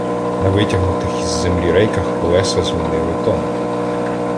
На витягнутих із землі рейках колеса змінили тон.